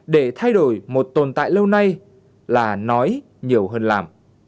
để thay đổi một tồn tại lâu nay là nói nhiều hơn làm